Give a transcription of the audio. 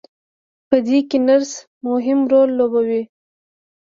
په دې کې نرس مهم رول لوبوي.